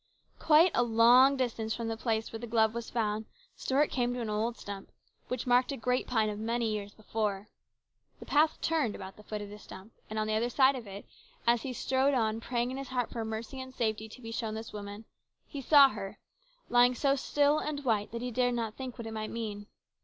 Quite a long distance from the place where the glove was found, Stuart came to an old stump which COMPLICATIONS. 191 marked a giant pine of many years before. The path turned about the foot of this stump, and on the other side of it, as he strode on, praying in his heart for mercy and safety to be shown this woman, he saw her, lying so still and white that he dared not think what it might mean.